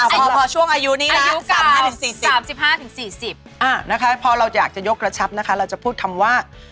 พอช่วงอายุนี้ละ๓๕๔๐อ่านะคะพอเราอยากจะยกกระชับนะคะเราจะพูดคำว่า